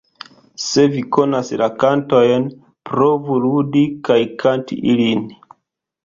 Se vi konas la kantojn, provu ludi kaj kanti ilin!